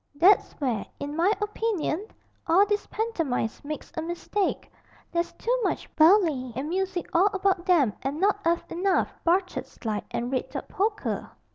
That's where, in my opinion, all these pantomimes makes a mistake. There's too much bally and music 'all about 'em and not 'arf enough buttered slide and red 'ot poker.'